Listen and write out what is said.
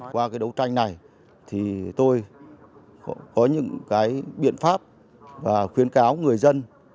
qua cái đấu tranh này thì tôi có những cái biện pháp và khuyến cáo người dân